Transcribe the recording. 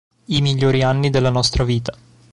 I migliori anni della nostra vita